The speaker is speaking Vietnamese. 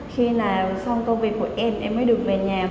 khi là xong công việc của em em mới được về nhà